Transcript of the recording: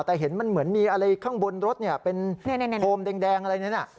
แต่เห็นมันเหมือนมีอะไรข้างบนรถเป็นโฮมแดงอะไรนั้น